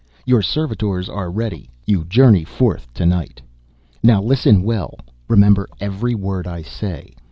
Your servitors are ready you journey forth to night. "Now listen well. Remember every word I say.